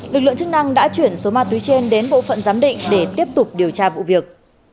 lực lượng chức năng đã chuyển số ma túy trên đến bộ phận giám định để tiếp tục điều tra vụ việc